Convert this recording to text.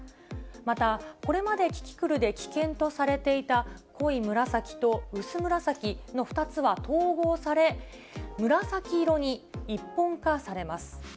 また、これまでキキクルで危険とされていた濃い紫と薄紫の２つは統合され、紫色に一本化されます。